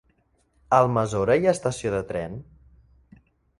A Almassora hi ha estació de tren?